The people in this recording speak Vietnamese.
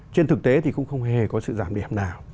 trên thực tế thì cũng không hề có sự giảm điểm nào